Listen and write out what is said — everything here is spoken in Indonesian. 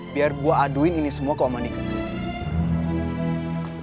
biar gua aduin ini semua ke waman ikan